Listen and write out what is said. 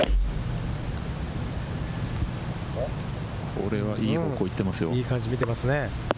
これはいい方向にいってますよ。